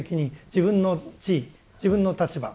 自分の地位自分の立場